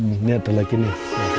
ini ada lagi nih